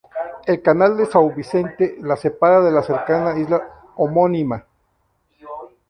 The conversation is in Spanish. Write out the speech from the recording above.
El canal de São Vicente la separa de la cercana isla homónima.